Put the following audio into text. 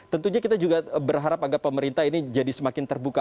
tentunya kita juga berharap agar pemerintah ini jadi semakin terbuka